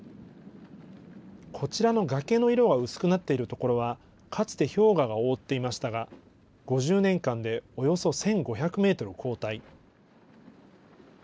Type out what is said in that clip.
こちらの崖の色が薄くなっている所は、かつて氷河が覆っていましたが、５０年間でおよそ１５００メートル後退。